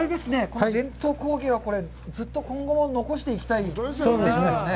この伝統工芸はずっと今後も残していきたいですね。